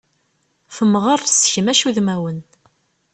Temɣeṛ tessekmac udmawen.